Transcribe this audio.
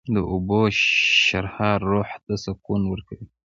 د اوبو شرهار روح ته سکون ورکوي